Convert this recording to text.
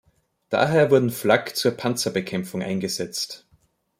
Daher wurden Flak zur Panzerbekämpfung eingesetzt.